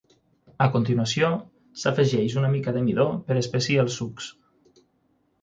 A continuació, s'afegeix una mica de midó per espessir els sucs.